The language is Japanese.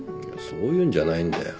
そういうんじゃないんだよ。